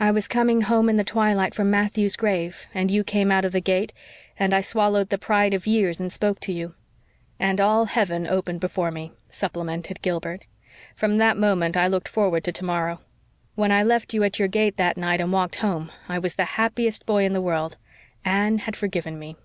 "I was coming home in the twilight from Matthew's grave and you came out of the gate; and I swallowed the pride of years and spoke to you." "And all heaven opened before me," supplemented Gilbert. "From that moment I looked forward to tomorrow. When I left you at your gate that night and walked home I was the happiest boy in the world. Anne had forgiven me."